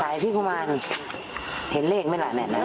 ไหนพี่กุมารเห็นเลขไม่หลายแหละนะ